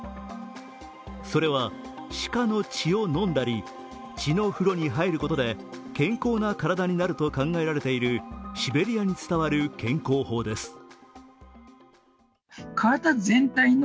それは鹿の血を飲んだり、血の風呂に入ることで健康な体になると考えられているシベリアに伝わる健康法です。